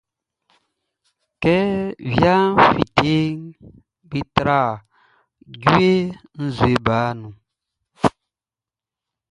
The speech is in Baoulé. Kɛ wiaʼn fíteʼn, be tra jue nzue baʼn nun.